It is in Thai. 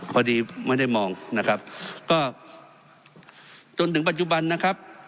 พอดีไม่ได้มองจนถึงปัจจุบันนะครับ